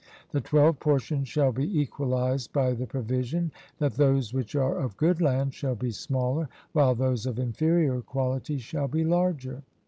The twelve portions shall be equalized by the provision that those which are of good land shall be smaller, while those of inferior quality shall be larger.